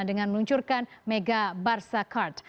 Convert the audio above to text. dengan meluncurkan mega barca kart